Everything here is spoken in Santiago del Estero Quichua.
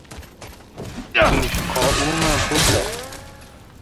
pishqo uman puka